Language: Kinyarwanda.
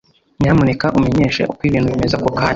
nyamuneka umenyeshe uko ibintu bimeze ako kanya